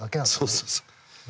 そうそうそう。